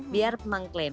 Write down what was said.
biar memang claim